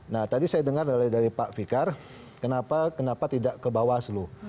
nah tadi saya dengar dari pak fikar kenapa tidak ke bawaslu